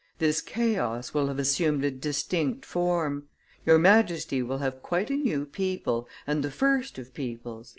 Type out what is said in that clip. This chaos will have assumed a distinct form. Your Majesty will have quite a new people, and the first of peoples."